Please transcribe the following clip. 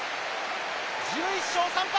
１１勝３敗。